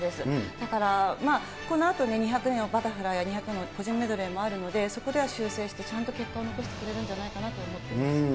だから、このあとね、２００のバタフライや２００の個人メドレーもあるので、そこでは修正して、ちゃんと結果を残してくれるんではないかなと思っています。